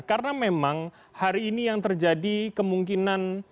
karena memang hari ini yang terjadi kemungkinan